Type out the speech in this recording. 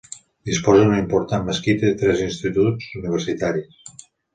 Disposa d'una important mesquita i tres instituts universitaris.